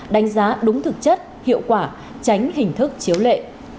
đánh giá đúng thực chất hiệu quả tránh hình thức chiếu lệ